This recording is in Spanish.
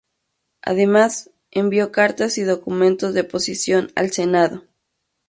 Además, envió cartas y documentos de posición al Senado.